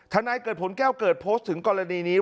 นายเกิดผลแก้วเกิดโพสต์ถึงกรณีนี้